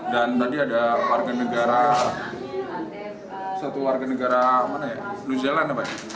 dan tadi ada warga negara satu warga negara new zealand